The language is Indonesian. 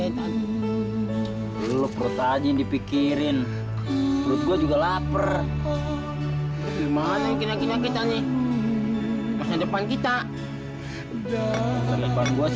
itu dulu perut aja dipikirin perut gua juga lapar gimana kita kita nih depan kita